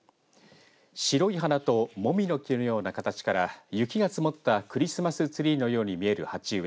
白い花ともみの木のような形から雪が積もったクリスマスツリーのように見える鉢植え